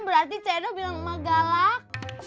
berarti c edo bilang emak galak